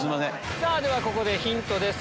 ではここでヒントです。